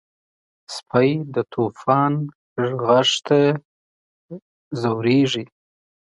سپي د طوفان غږ ته ځورېږي.